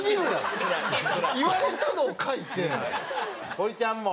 堀ちゃんも。